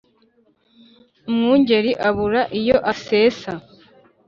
Umwungeri abura iyo asesa